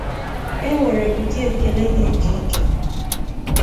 e nwere ụdị ekele dị iche iche